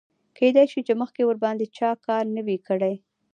کیدای شي چې مخکې ورباندې چا کار نه وي کړی.